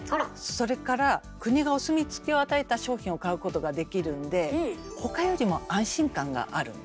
それから国がお墨付きを与えた商品を買うことができるんで他よりも安心感があるんだよね。